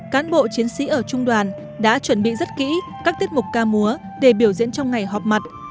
cán bộ chiến sĩ ở trung đoàn đã chuẩn bị rất kỹ các tiết mục ca múa để biểu diễn trong ngày họp mặt